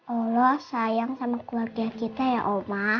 allah sayang sama keluarga kita ya oma